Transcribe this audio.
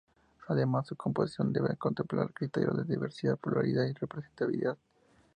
Además, su composición debe contemplar criterios de: diversidad, pluralidad y representatividad.